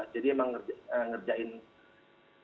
jadi emang ngerjain lagi